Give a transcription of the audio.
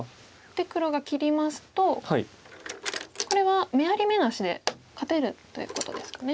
で黒が切りますとこれは眼あり眼なしで勝てるということですかね。